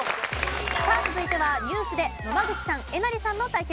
さあ続いてはニュースで野間口さんえなりさんの対決です。